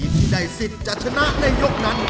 ใครสิทธิ์จะชนะในยกนั้น